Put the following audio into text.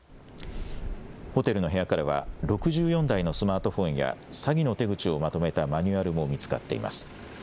ホテルの部屋からは、６４台のスマートフォンや、詐欺の手口をまとめたマニュアルも見つかっています。